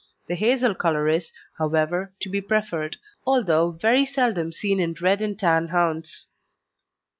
The hazel colour is, however, to be preferred, although very seldom seen in red and tan hounds.